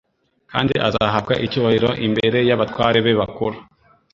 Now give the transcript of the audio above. kandi azahabwa icyubahiro imbere y'abatware be bakuru."